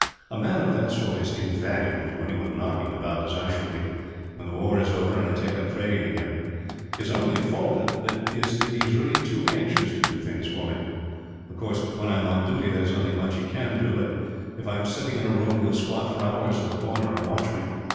A man of that sort is invaluable to anyone knocking about as I shall be, when the war is over and I take up trading again. His only fault is that he is really too anxious to do things for me. Of course, when I am on duty there is nothing much he can do; but if I am sitting in a room, he will squat for hours in the corner and watch me.